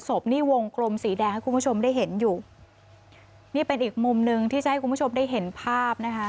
ศพนี่วงกลมสีแดงให้คุณผู้ชมได้เห็นอยู่นี่เป็นอีกมุมหนึ่งที่จะให้คุณผู้ชมได้เห็นภาพนะคะ